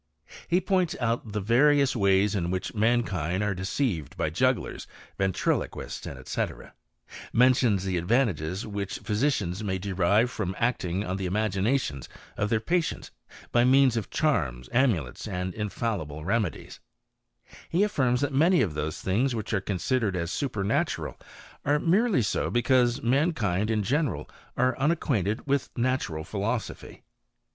He points out the various ways in which mankind are deceived by jugglers, ventriloquists, &c. ;• mentions the advantages which physicians may derive from acting on the imaginations of their patients by means of charms, amulets, and infallible remedies : he affirms that many of those things which are consi dered as supernatural, are merely so because mankind in general are unacquainted with natural philosophy.